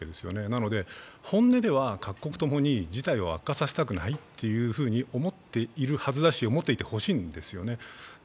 なので本音では各国共に事態を悪化させたくないと思っているはずだし、思っていてほしいんですよね。